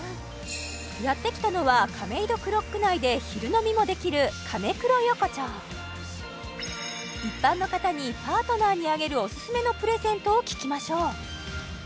やってきたのはカメイドクロック内で昼飲みもできるカメクロ横丁一般の方にパートナーにあげるオススメのプレゼントを聞きましょう